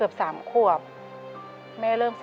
ขอเอ็กซาเรย์แล้วก็เจาะไข่ที่สันหลังค่ะ